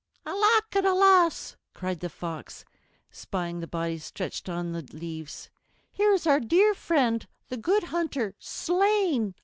"Alack and alas!" cried the Fox, spying the body stretched on the leaves. "Here is our dear friend, the Good Hunter, slain!